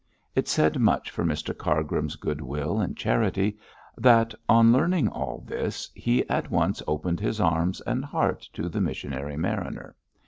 It said much for Mr Cargrim's goodwill and charity that, on learning all this, he at once opened his arms and heart to the missionary mariner.